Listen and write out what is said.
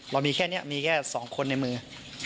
เรามีแค่นี้มีแค่๒คนในมือ